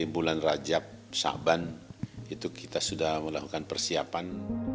bulan rajab syaban itu kita sudah melakukan persiapan